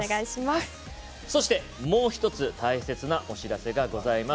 そして、もう１つ大切なお知らせがあります。